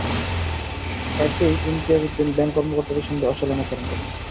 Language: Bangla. এতেই ইমতিয়াজ উদ্দিন ব্যাংক কর্মকর্তাদের সঙ্গে অশালীন আচরণ করেন।